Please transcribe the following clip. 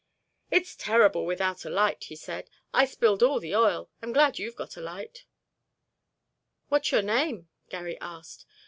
"It's terrible without a light," he said; "I spilled all the oil—I'm glad you've got a light." "What's your name?" Garry asked.